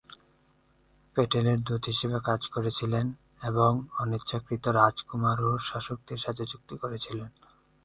প্যাটেলের দূত হিসাবে কাজ করেছিলেন এবং অনিচ্ছাকৃত রাজকুমার ও শাসকদের সাথে চুক্তি করেছিলেন।